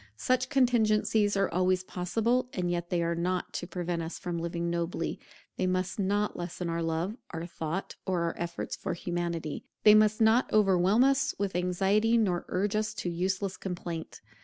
Such contingencies are always possible, and yet they are not to prevent us from living nobly; they must not lessen our love, our thought, or our efforts for Humanity; they must not overwhelm us with anxiety, nor urge us to useless complaint.